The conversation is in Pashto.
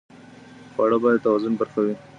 خواړه باید د توازن برخه وي.